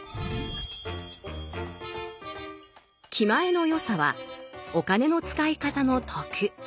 「気前の良さ」はお金の使い方の徳。